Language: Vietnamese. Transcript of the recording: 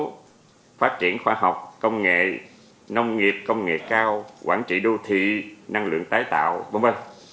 phát triển khoa học công nghệ nông nghiệp công nghệ cao quản trị đô thị năng lượng tái tạo v v